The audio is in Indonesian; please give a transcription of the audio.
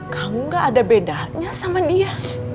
kamu gak ada bedanya sama dia